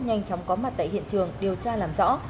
nhanh chóng có mặt tại hiện trường điều tra làm rõ